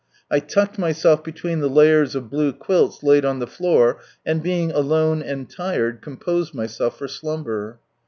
I lucked myself between the layers of blue quills laid on the floor, and being alone, and tired, composed myself for slumber.